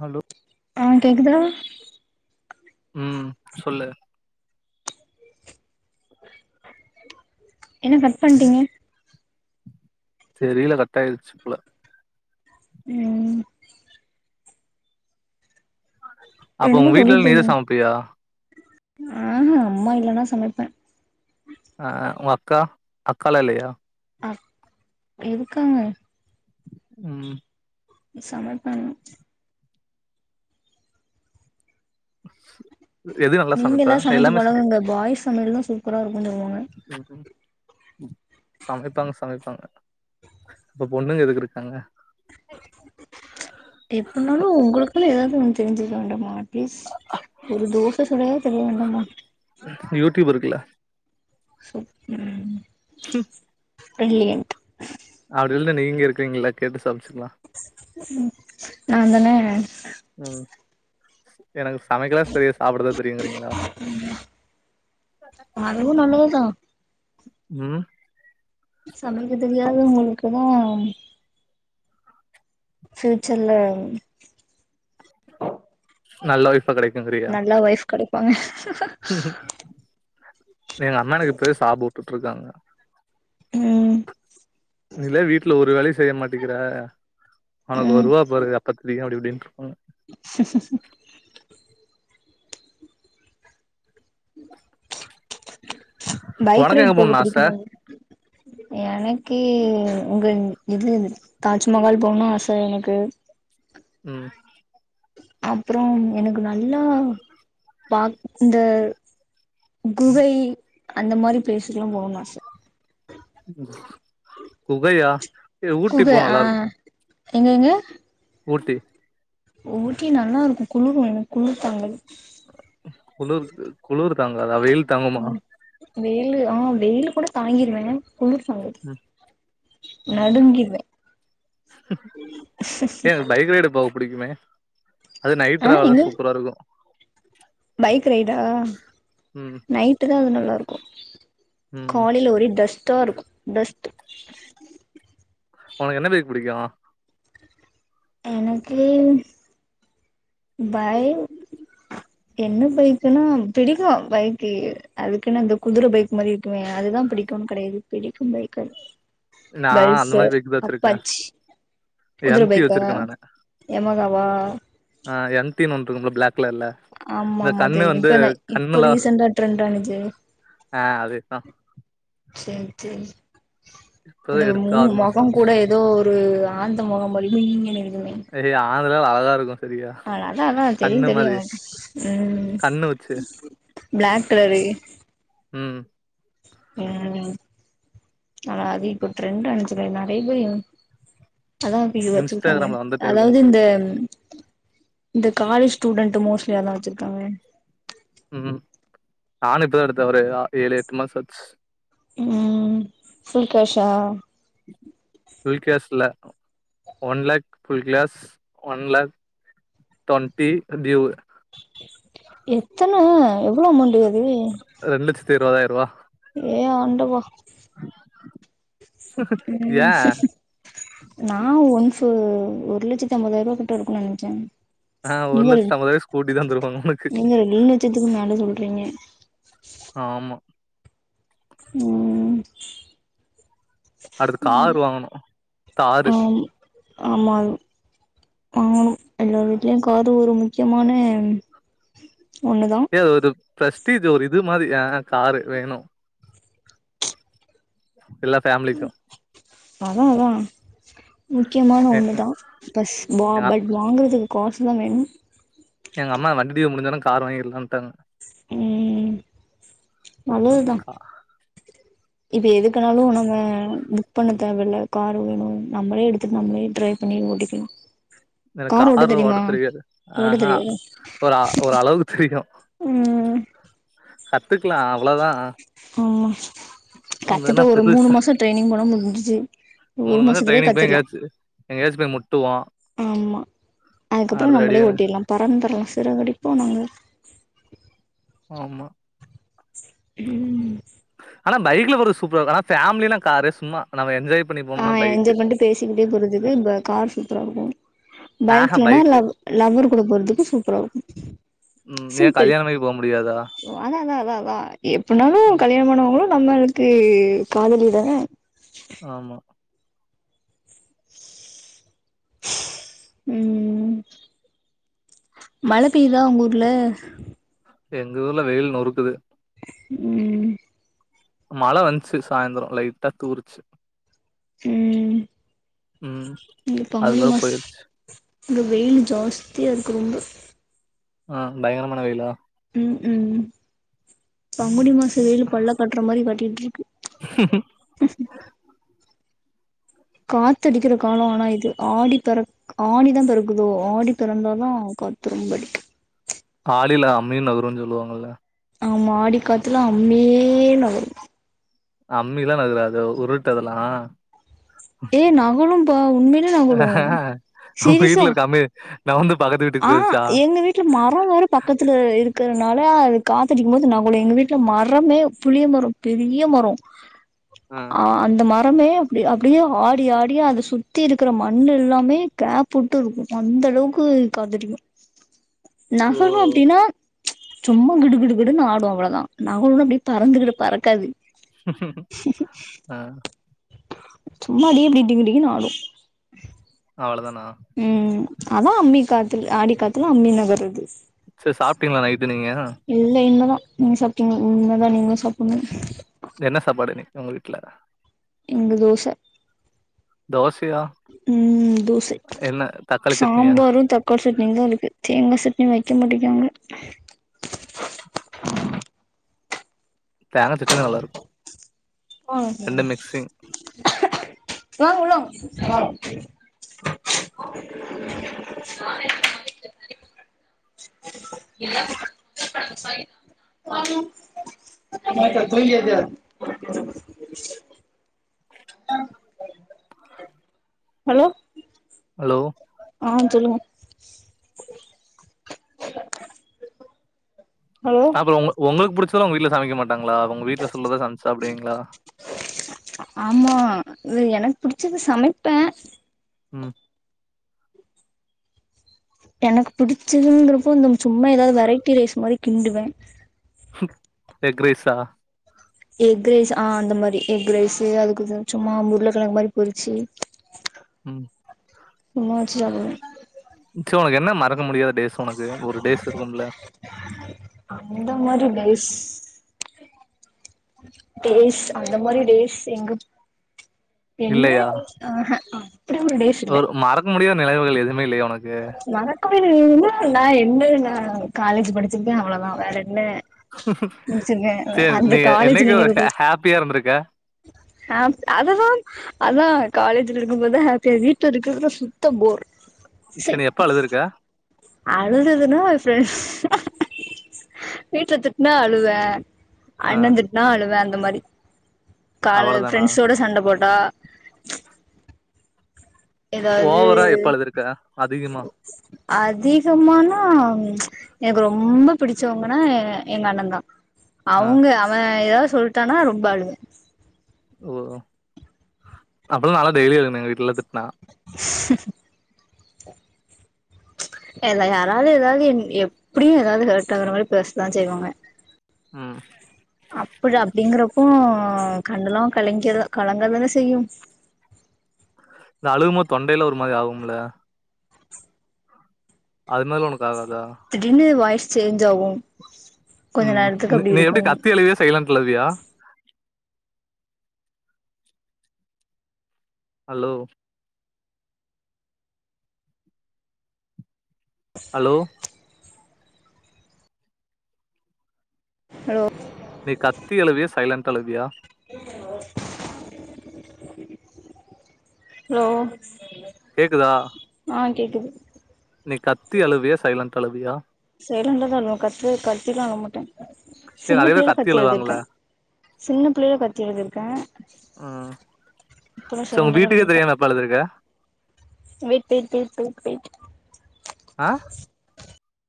Hello. ஆஹ கேக்குதா. உம் சொல்லு. என்ன கட் பன்ட்டீங்க. தெரியல கட் ஆயிருச்சுப்புல. உம். அப்ப என்ன உங்க வீட்ல சொல்லிட்ட நீதா நீ சமைப்பியா ஆமா அம்மா இல்லன்னா சமப். சமப்பே. ஆஹ உ அக்கா அக்கலா இல்லையா. அ இருக்காங்க. உம். சமப்பேன். [inaudible] நல்லா நீங்க சமைப்ப எலாம் சமச்சு எல்லாமே ச பழகுங்க பாய்ஸ் சமயல் தான் சூப்பரா இருக்கும்ன்னு சொல்லுவாங்க. சமப்பாங்க சமப்பாங்க அப்ப பொண்ணுங்க எதுக்கு இருக்காங்க. எப்பனாலும் உங்களுக்குல்லாம் ஏதாவது. தெரிஞ்சுக்க வேண்டாமா. அடலீஸ் ஒரு தோச சுடவாது தெரிய வேண்டாமா. யூட் யூப் இருக்குல. உம். பிர்லியன்ட். அப்படில்ல நீங்க இருக்கீங்கள கேட்டு சமைச்சுக்கலாம். ம் நான் தான. ம் எனக்கு சமைக்கலாம் தெரியாது. சாப்பிடதா தெரியுங்கிறீங்களா அதுவு நல்லதுதா உ. சமைக்க தெரியாத உங்களுக்குதா. ஃயூச்சர்ல. நல்ல ஒயிப். கிடைக்குங்கிறியா. ஹஹேஹ. உஹஹம். எங்க அம்மா எனக்கு இப்பவே சாபோ உட்டுட்டு இருக்காங்க. ம் நீல்லா வீட்டுல ஒரு வேளை செய். செய்ய மாட்டிங்கிற. உனக்கு வருவா பாறு அப்பத் தெரியு அப்படி இப்படின்னு. உ. ச்சுச்சு. பைக் உனக்கு ரைட் எங்க போக போணுனு ஆச புடிக்கும்மா உங். எனக்கு உங்க இது தாஜ்மஹால் போகனும் ஆச எனக்கு உம் அப்பறம் எனக் நல்லா இந்த குகை அந்த மாரி பிளேஸுக்கு எலாம் போகணும் ஆச குகயா ஊட்டி குகை போனா ஆ நல்லா இருக் எங்க எங்க ஊட்டி ஊட்டியு நல்லா இருக்கும் குளிர் என் குளிர் தாங்காது குளுர் குளுர் தாங்காத வெயில் தாங்குமா வெயில் ஆஹ் வெயில் கூட தாங்கிருவேன் ம் ம் நடுங்கியிடுவேன் ஏ எனக்கு பைக் ரைடு போக புடிக்குமே அது நைட் ராவல் எங்க தான் சூப்பரா இருக்கும் பைக் ரைடா ம் நைட்டு தான் அது நல்லா இருக்கும் ம் கால்லே ஒரே டஸ்ட் [unintelligible] உனக்கு என்ன பேக் பிடிக்கும் எனக்கு பை என்ன பைக்குன்னா பிடிக்கும் பைக் அதுக்குன்ன அந்த குதிர பைக் மாரி இருக்கும அதுதான் பிடிக்கும்னு கெடையாது பிடிக்கும் பைக் அ நா அந்த மாரி பள்சர் பைக் தா வச்சிருக்கே அப்பாச் குதிர எம் டி பைக்கா வச்சிருக்கே யமகா வா ஆஹ எம்டி ஒன்னு இருக்குமுல பிளாக் கலர்ல ஆமா இந்த ஆமா கண்ணு சரி வந்து இப்பதான் இப்ப கண்ணுலா ரீசன்டா ட்ரெண்ட ஆனுச்சு ஆ அதேதா சேரி சேரி இப்பதா அந்த எடுத்து மு ஆறு மாசோ முகம் ஆச்சு கூட ஏதோ ஒரு ஆழ்ந்த முகம் முலிம நீங்க இருக்குமே அதான் இருக்கும் அதனால ஆஹ் அதாதான் தெரியும் தெரியும்மா உம் கண்ணு வச்சு பிளாக் கலரு உம் உஹம் ஆனா அது இப்ப ட்ரெண்டு் அணிச்சில நெறய பேய அதான்ப்ப பச்சிருக்காங்க இன்ஸ்டாகிராம்ல வந்துட்டே அதாது இருக்கு இந்த இந்த காலேஜ் ஸ்டூடண்ட் மோஸ்ட்லி அதலாம் வச்சிருக்காங்க உம் நானும் இப்பதான் எடுத்தவர ஒரு ஏழு எட்டு மாசம் ஆச்சு உம் சுல்கேஷா [unintelligible] எத்தன எவ்ளோ அமௌண்டு ம் திருபதாயரூபா ஏ ஆண்டவா உம் ஏன் நான் ஒன்பு ஒரு லட்சத்தி ஐம்பதாய ரூபா கிட்ட இருக்கும் நெனைச்சேன் ஆஹ் ஒரு லட்சத்து ஐம்பதாயிரம் ஸ்கூட்டி தான் தருவாங்க ஒனக்கு றிங்கே உம் அடுத்து காரு வாங்கனும் தாரு ஆம் ஆமா வாங்கணும் எல்லோ வீட்லையும் காரு ஒரு முக்கியமான ஒண்ணுதா ஏதொருப் பிரஸ்டீஜ் ஒரு இது மாரி காரு வேணும் எல்லா ஃபேமிலிக்கும் அதான்தான் முக்கியமான எ ஒண்ணுதான் பஸ் எ பட் வாங்கறதுக்கு காஸ்ட் ம் வேணும் எங்க அம்மா வண்டி டீவு முடிஞ்சவுனே கார் வாங்கிடலான்ட்டாங்க உம் அது நல்லதுதான் கா- இப்ப எதுக்கனாலும் நம்ம புக் பண்ண தேவல்ல காரு வேணொ நம்மளே எடுத்துட்டு நம்மளே டிரைவ் பண்ணி ஓட்டிகளா எனக்கு காரு ஓட்ட தெரியாது ஓட்ட ஆஹஹா தெரியாதா ஒரு ஒரு அளவுக்கு தெரியும் ம் கத்துக்கலாம் அவ்ளோதான் ஆமஸ் கத்துட்டு ஒரு மூணு பெருசா மாசம் ட்ரைனிங் போனா முடிஞ்சிச்சு ஒரு மூணு மாசம் மாசத்துலயே ட்ரைனிங் போய் கத்துர்ளாம் எங்கயாச்சு எங்கயாச்சும் போய் முட்டுவோம் ஆமா அதுக்கப்பறம் அடுத்த அடி நம்மளே ஓட்டிர்லா பறந்து தரலாம் சிறுகடிப்போ நாங்க ஆமா உம் ஆனா பைக்ல போரத் சூப்பரா இருக்கும் ஆன ஃபேம்லின்னா காரு சும்மா நம்ம என்ஜாய்ப் ஆஹ் என்ஜாய் பண்ணிட்டு பேசிக்கிட்டே போறதுக்கு கார் சூப்பரா இருக்கும் ஆஹா பைக்லனால பைக்கு லவர் கூட போறதுக்கும் சூப்பரா இருக்கு ம் [inaudible] ஏன் சிம்பிள் கல்யாணமாகி போ முடியாதா அத அதான் அதான் அதான் அ எப்பனாலும் கல்யாண பன்னவங்களா நம்மளுக்கு காதலி தான ஆமா உம் மழை பெய்யுதா உங்க ஊர்ல எங்க ஊர்ல வெயில் நொறுக்குது உம் மழை வந்துச்சு சாய்ந்திரம் லைட்டா தூருச்சு உம் இ பங்குனி அதுக்கப்றோ மாஸ் போயிருச்சு வெயில் ஜாஸ்தியா இருக்கு ரொம்ப ஆஹ் பயங்கரமான வெயிலா உம் உம் பங்குனி மாசம் செ வெயிலு பல்ல கட்டுற மாரி காட்டிட்டு இருக்கு காத்து அடிக்கிற காலம் ஆனா இது ஆடி பெறக் ஆணி தான் பெறக்குதோ ஆடி பிறந்தாதான் காத்து ரொம்ப அடிக்கும். ஆடில அம்மீயும் நகரும்ன்னு சொல்லுவாங்கல்ல ஆமா காத்துலா அம்மீயே நகரும் அம்மீஎல்லா நகராது உருட்டுஅதெல்லாம் ஏ நகலும் போ அஹ்ங்க வீட்டுல இருக்க அம்மி நவுந்து பக்கத்து வீட்டுக்கு ஆஹ் போயிருச்சா எங்க வீட்டுல மரம் வேர பக்கத்துல இருக் இருக்கறனால அது காத்தடிக்கும் போது நகலும் எங்க வீட்ல மரமே புளிய மரம் பெரிய மரம் ஆ ஆஹ் அந்த மாரி ரமே அப்படி அப்படியே ஆடி ஆடிய அதை சுற்றி இருக்கிற மண் எல்லாமே கேப் விட்டு இருக்கொ அந்த அளவுக்கு காதுரியும் [inaudible] ஓ நகரும் அப்டின்னா சும்மா கிடுகிடுகிடுனு ஆடும் அவ்ளோதான் நகும்னு அப்படியே பறந்துகிட்டு பறக்காது ஆஹ் [inaudible] சும்மாடியே எப்படிட்டு [unintelligible] ங்கட்டங் ஆடும் அவ்வளவு தான் ஆ [unintelligible] அதான் அம்மி காத்துல ஆடி காத்துல அம்மி நகர்து சரி சாப்பிட்டீங்களா நைட் நீங்க இல்லை இன்னதான் நீங்க சாப்பிட்டீங்க உமைதான் [unintelligible] நீங்கள [unintelligible] சாப்பிடடுணங்க என்ன சாப்பாடு நீங்க உங்க வீட்டுல இங்க தோசை தோசையா உம் தோசை என்ன தக்காளி சட்னியா சாம்பாரும் தக்காளி சட்னி தான் இருக்கு தேங்காய் சட்னி வைக்க மாட்டிராங்க தேங்கா சட்னி தான் நல்லா இருக்கும் ஓ [unintelligible] த சொலத்த [unintelligible] ஆஹ [unintelligible] ஹலோ ஹலோ ஆஹ் சொல்லுங்க ஹலோ அப்புறம் உ உங்களுக்கு புடிச்ச இதெல்லா உங்க வீட்ல சமைக்கமாட். ங்களா உவங்க வீட்டுல சொல்றதா சமச்சு சாப்டுவீங்களா. ஆமா எனக்கு புடிச்சது சமைப்ப. உம். எனக்கு புடிச்சதுங்கன்றப்போ. சும்மா ஏதாவது வெரைட்டி ரைஸ் மாரி. கிண்டுவ. உக் எக்ரைசா. எக்ரைஸ் ஆஹ அந்த மாரி எக்ரைஸ்சு அதுக்கு சும்மா உருளக்கிழங்கு மாரி பொரிச்சு. உம். மோச்சவோ. சோ என்ன மர. முடியாத டேஸ் உனக்கு ஒரு டேஸ் இருக்கும்ல. அந்த மாரி டேஸ் டேஸ் அந்த மாரி டேஸ் எங்கப். ம்ச் என்ன இல்லையா டேஸ் ஆஹஹா அப்டி ஒரு டேஸ் இல்ல. நெனவுகள் எதுமே இல்லையா உனக்கு. வணக்கோ. [unintelligible] நான் என்ன [unintelligible] ந காலேஜ் படிச். சுருக்க அவ்ளோதான் வேற என்ன முடிச்சிருக்க சரி அந்த நீ காலேஜ் என்னைக்கு நினைவுகள் ஹாப்பியா இருந்திருக்க ஹ அதுதான் அதான். காலேஜ்ல இருக்கும் போது ஹேப்பியா வீட்ல இருக்கறதல சுத்த போர். செரி எப். எப்ப அழுதுருக்க. அழுதுதுன்னா ஃப்ரெண்ட்ஸ் ஹஹேஹ வீட்ல திட்டுனா அழுவ. ஆ அண்ணந்திட்னா அழுவ. அந்த மாரி. கால்ல அவ்வளதானா ஃப்ரெண்ட்ஸோட சண்ட போட்டா. ஏதாவது ஓவரா எப்ப அழுதுருக்க அதிகமா. அதிகமானா எனக்கு ம்ச் ரொம்ப பிடிச்சவங்கன்னா எங்க அண்ணந்தா. ஆ அவுங்க அவன் ஏதாவது. சொல்டானா ரொம்ப அழுவ. ஓ ஓ அப்பல்லாம் நாலாம் டெய்லி அழுவனே வீட்ல திட்டுனா. [unintelligible] ம்ச் எல்லா யாராலும் ஏதாவது எப்டியும் ஏதாவது ஹேர்ட் ஆகுற மாரி பேசதான் செய்வாங்க. உம். அப்டு அப்டிங்கறப்போ கண்ணெலாம் கலங்கிற கலங்கதானே செய்யும். அழுமோது தொண்டையில ஒரு மாரி ஆகும்ல. அது மாரி உனக். திடீர்னு வாய்ஸ். சேஞ்சு ஆவும் உம் நீ எப்புடி கத்தி அழுவியா சைலண்ட்ல அழுவியா ஹலோ ஹலோ ஹலோ நீ கத்தி அழுவியா சைலன்டா அழுவியா [inaudible] ஹலோ கேக்குதா ஆ கேக்குது நீ கத்தி அழுவியா சைலன்டா அழுவியா சைலண்டல தான் அழுவேன் கத் கத்தியிலாம் அழமாட்டேன் ஏ சின்ன நெறைய பேர் பிள்ளைல கத்தி அழுவாங்கல்ல அழுதிருக்கேன் சின்ன பிள்ளையில கத்தி அழுதிருக்கேன் ம் இப்பல்லாம் சரி உங்க சைலண்டல தான் வீட்டுக்கே அழுதிருக்கேன் தெரியாம எப்ப அழுதுருக்க விட் விட் விட் டுக் விட் ஆஹ்